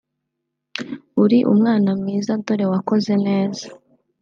uri umwana mwiza dore wakoze neza”